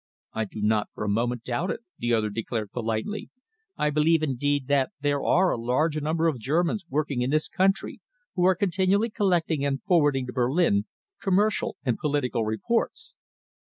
"I do not for a moment doubt it," the other declared politely. "I believe, indeed, that there are a large number of Germans working in this country who are continually collecting and forwarding to Berlin commercial and political reports.